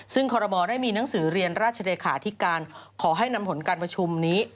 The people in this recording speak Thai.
ซึ่งคอรมอลได้มีหนังสือเรียนราชเลขาธิการขอให้นำผลการประชุมนี้